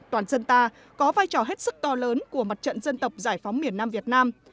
toàn dân ta có vai trò hết sức to lớn của mặt trận dân tộc giải phóng miền nam việt nam